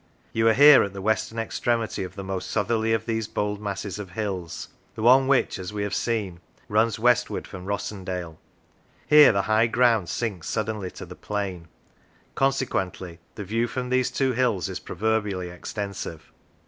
You are here at the western extremity of the most southerly of these bold masses of hills, the one which, as we have seen, runs westward from Rossendale. Here the high ground sinks suddenly to the plain; consequently the view from these two hills is proverbially extensive.